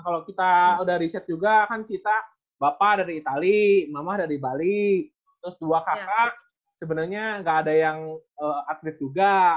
kalau kita udah riset juga kan cita bapak dari itali mama dari bali terus dua kakak sebenarnya nggak ada yang atlet juga